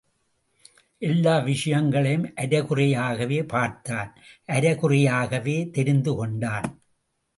எல்லா விஷயங்களையும் அரைகுறையாகவே பார்த்தான் அரைகுறையாகவே தெரிந்து கொண்டான்.